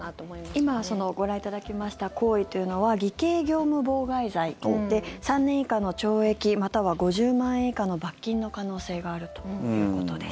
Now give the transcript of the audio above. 今、ご覧いただきました行為というのは偽計業務妨害罪で３年以下の懲役または５０万円以下の罰金の可能性があるということです。